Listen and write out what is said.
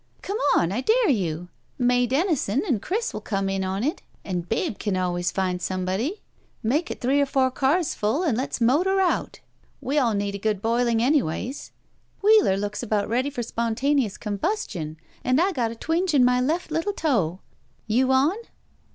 "Come on! I dare you! May Denison and Chris will come in on it, and Babe can always find some body. Make it three or four cars full and let's motor out. We all need a good boiling, anyways. Wheeler looks about ready for spontaneous combustion, and I got a twinge in my left Uttle toe. You on?